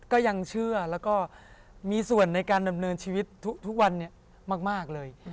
ก็ยังเชื่อแล้วก็มีส่วนในการดำเนินชีวิตทุกวันนี้มากเลย